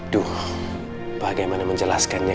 duh bagaimana menjelaskannya